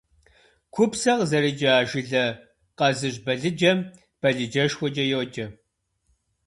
Купсэ къызэрыкӏа, жылэ къэзыщӏ балыджэм балыджэхъукӏэ йоджэ.